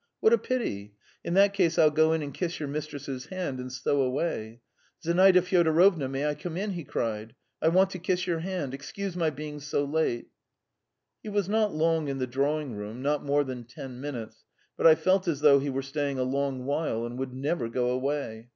What a pity! In that case, I'll go in and kiss your mistress's hand, and so away. Zinaida Fyodorovna, may I come in?" he cried. "I want to kiss your hand. Excuse my being so late." He was not long in the drawing room, not more than ten minutes, but I felt as though he were staying a long while and would never go away.